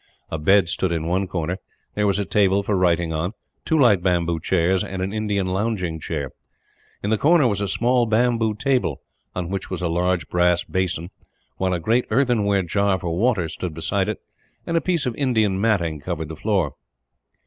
A bed stood in one corner. There was a table for writing on, two light bamboo chairs, and an Indian lounging chair. In the corner was a small bamboo table, on which was a large brass basin; while a great earthenware jar for water stood beside it, and a piece of Indian matting covered the floor.